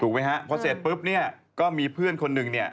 ถูกไหมครับพอเสร็จปุ๊บก็มีเพื่อนคนหนึ่ง